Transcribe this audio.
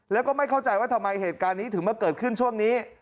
แล้วก็ไม่เข้าใจว่าทำไมเหตุการณ์นี้ถึงมาเกิดขึ้นช่วงนี้